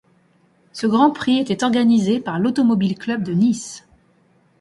Ce Grand Prix était organisé par l'Automobile Club de Nice.